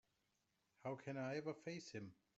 How can I ever face him?